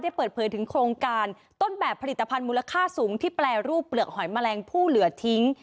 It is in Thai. เปิดเผยถึงโครงการต้นแบบผลิตภัณฑ์มูลค่าสูงที่แปรรูปเปลือกหอยแมลงผู้เหลือทิ้ง